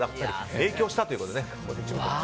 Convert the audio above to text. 影響したということで。